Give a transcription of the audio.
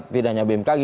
tidak hanya bmkg